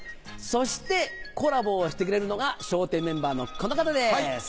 そしてコラボをしてくれるのが笑点メンバーのこの方です。